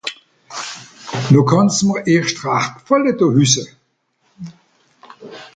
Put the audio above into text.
No kànn's mìr erscht rächt gfàlle do hüsse